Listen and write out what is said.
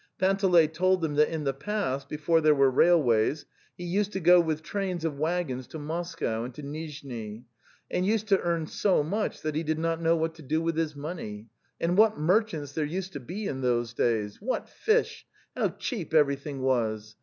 Panteley told them that in the past, before there were railways, he used to go with trains of waggons to Moscow and to Nizhni, and used to earn so much that he did not know what to do with his money; and what mer chants there used to be in those days! what fish! how cheap everything was!